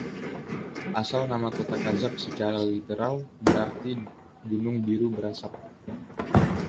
Asal nama kota Kazakh secara literal berarti “gunung biru berasap”.